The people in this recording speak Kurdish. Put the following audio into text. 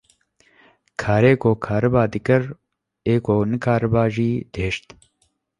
Karê ku kariba dikir ê ku nekariba jî dihişt.